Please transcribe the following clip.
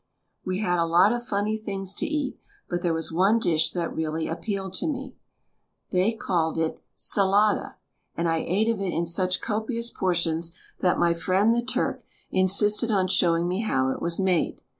We had a lot of funny things to eat, but there was one dish that really appealed to me. They called THE STAG COOK BOOK it "Salada" and I ate of it in such copious portions that my friend, the Turk, insisted on showing me how it was made.